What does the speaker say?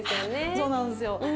あっそうなんですよ。